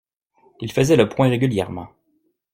Il faisait le point régulièrement.